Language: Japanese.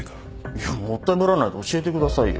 いやもったいぶらないで教えてくださいよ。